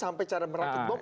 sampai cara merakit bom